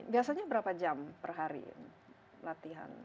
biasanya berapa jam per hari latihan